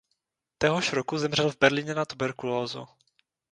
Téhož roku zemřel v Berlíně na tuberkulózu.